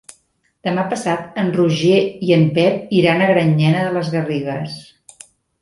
Demà passat en Roger i en Pep iran a Granyena de les Garrigues.